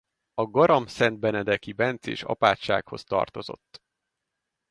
A garamszentbenedeki bencés apátsághoz tartozott.